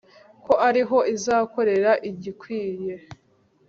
ko ari ho izakorera igikwiye